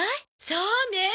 そうねえ